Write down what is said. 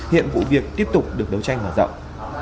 hiện vụ việc tiếp tục được đấu tranh mở rộng